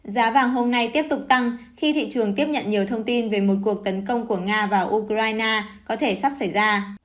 giá vàng hôm nay tiếp tục tăng khi thị trường tiếp nhận nhiều thông tin về một cuộc tấn công của nga vào ukraine có thể sắp xảy ra